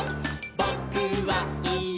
「ぼ・く・は・い・え！